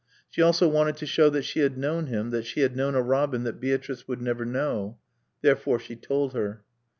She also wanted to show that she had known him, that she had known a Robin that Beatrice would never know. Therefore she told her.